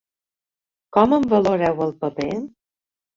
Com en valoreu el paper?